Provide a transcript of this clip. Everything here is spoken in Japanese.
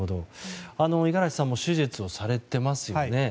五十嵐さんも手術をされてますよね。